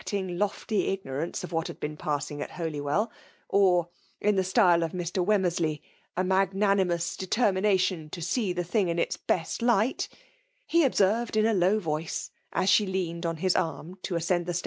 ing lofty ignprance of wbai had been pasainfpi at Holywell, or (in the style of Mr. '.Wtitur, merslcy) a magnanimous determinalioii tO'See^ tbt) thing in ita best light, he observed i^'a loi$r voice, as she leaned on his arm to ascend" t]|^.